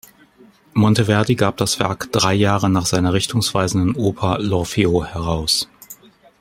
Monteverdi gab das Werk drei Jahre nach seiner richtungsweisenden Oper "L’Orfeo" heraus.